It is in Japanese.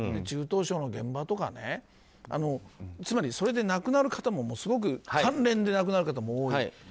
中等症の現場とかつまりそれで亡くなる方も関連で亡くなる方もすごく多い。